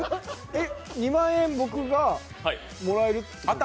えっ、２万円、僕がもらえるってこと？